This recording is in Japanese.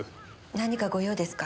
何かご用ですか？